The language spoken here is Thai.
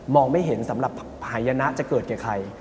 ไม่เห็นสำหรับหายนะจะเกิดกับใคร